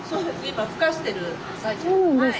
今ふかしてる最中です。